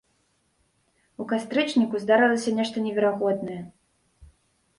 У кастрычніку здарылася нешта неверагоднае.